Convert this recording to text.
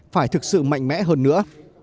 phải thực sự mạnh mẽ hơn nữa